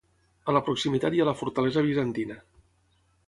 A la proximitat hi ha la fortalesa bizantina.